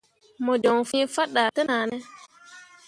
Mo joŋ fĩĩ faɗa tenahne.